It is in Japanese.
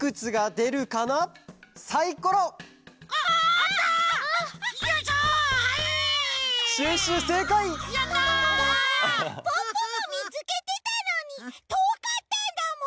ポッポもみつけてたのにとおかったんだもん！